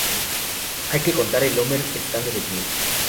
Hay que contar el Omer estando de pie.